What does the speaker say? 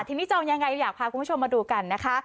ทีนี้จองยังไงอยากพาคุณผู้ชมมาดูกันนะคะ